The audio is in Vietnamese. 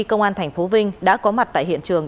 công an tp vinh đã có mặt tại hiện trường